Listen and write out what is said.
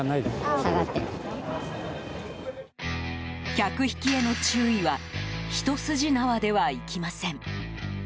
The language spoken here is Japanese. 客引きへの注意は一筋縄ではいきません。